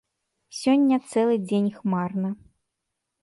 Сёння цэлы дзень хмарна.